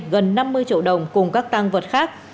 gần năm mươi triệu đồng cùng các tăng vật khác